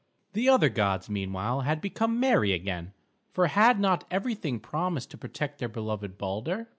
The other gods meanwhile had become merry again; for had not everything promised to protect their beloved Balder?